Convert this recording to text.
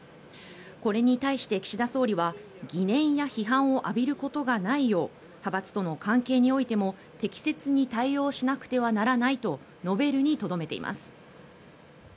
これに対して、岸田総理は疑念や批判を浴びることがないよう派閥との関係においても適切に対応しなくてはならないと述べるにとどめています。